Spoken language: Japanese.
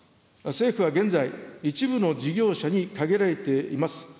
政府は現在、一部の事業者に限られています